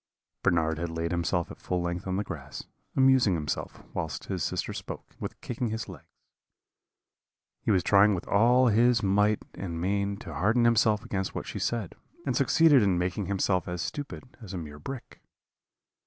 "Bernard had laid himself at full length on the grass, amusing himself, whilst his sister spoke, with kicking his legs. He was trying with all his might and main to harden himself against what she said; and succeeded in making himself as stupid as a mere brick.